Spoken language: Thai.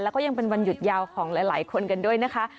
แล้วก็ยังเป็นวันหยุดยาวของหลายคนกันด้วยนะคะ